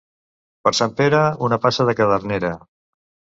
Per Sant Pere, una passa de cadernera.